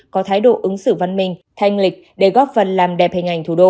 có thái độ ứng xử văn minh thanh lịch để góp phần làm đẹp hình ảnh thủ đô